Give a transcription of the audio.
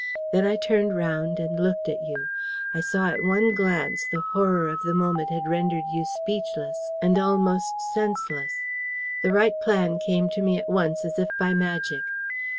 Then I turned round and looked at you. I saw at one glance the horror of the moment had rendered you speechless and almost senseless. The right plan came to me at once as if by magic.